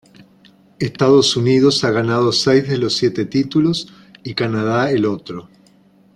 Estados Unidos ha ganado seis de los siete títulos y Canadá el otro.